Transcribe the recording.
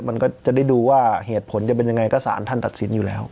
มันก็จะได้ดูว่าเหตุผลจะเป็นยังไงก็สารท่านตัดสินอยู่แล้ว